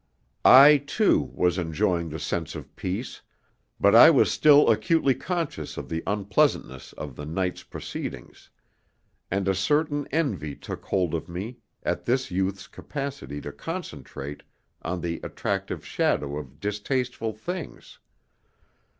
I, too, was enjoying the sense of peace, but I was still acutely conscious of the unpleasantness of the night's proceedings; and a certain envy took hold of me at this youth's capacity to concentrate on the attractive shadow of distasteful things.